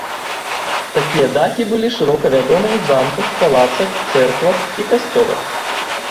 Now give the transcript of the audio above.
Такія дахі былі шырока вядомы ў замках, палацах, цэрквах і касцёлах.